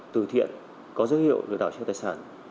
từ thiện có dấu hiệu lừa đảo chiếm tài sản